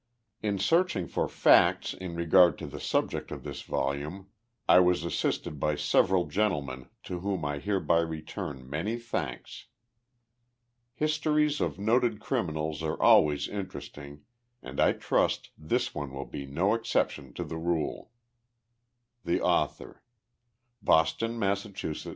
In searching for facts in regard to the subject of this volume I was assisted by several gentlemen to whom I hereby return many thanks. Histories of noted criminals are always interesting and I trust this one will be no exception to the rule. THE AUTHOR. Boston, Mass., 1S92.